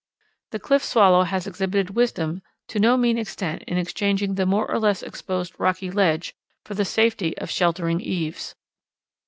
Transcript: The Cliff Swallow has exhibited wisdom to no mean extent in exchanging the more or less exposed rocky ledge for the safety of sheltering eaves.